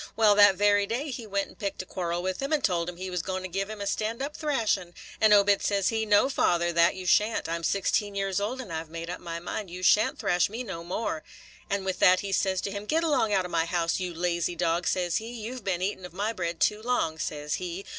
Wal, that very day he went and picked a quarrel with him, and told him he was going to give him a stand up thrashing. And Obed, says he, 'No, father, that you sha' n't. I 'm sixteen year old, and I 've made up my mind you sha' n't thrash me no more.' And with that he says to him, 'Get along out of my house, you lazy dog,' says he; 'you 've been eatin' of my bread too long,' says he.